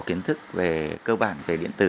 kiến thức về cơ bản về điện tử